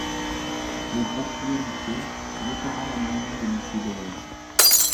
Le groupe UMP votera l’amendement de Monsieur Dolez.